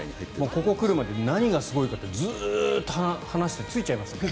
ここに来るまでに何がすごいかってずっと話して着いちゃいましたもん。